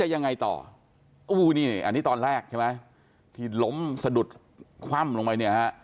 อันนี้ตอนแรกที่ล้มสะดุดคว่ำลงไป